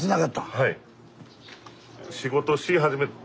はい。